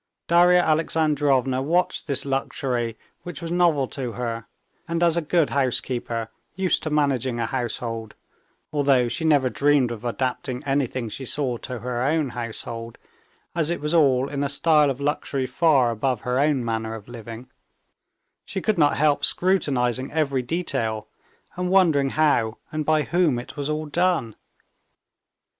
Darya Alexandrovna watched this luxury which was novel to her, and as a good housekeeper used to managing a household—although she never dreamed of adapting anything she saw to her own household, as it was all in a style of luxury far above her own manner of living—she could not help scrutinizing every detail, and wondering how and by whom it was all done.